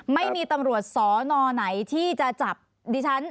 ไม่มีตำรวจสอนอไหนที่จะจับดิฉัน